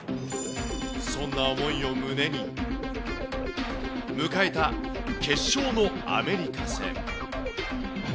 そんな思いを胸に、迎えた決勝のアメリカ戦。